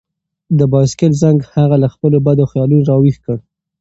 د بایسکل زنګ هغه له خپلو بدو خیالونو راویښ کړ.